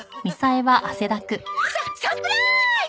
ササプラーイズ！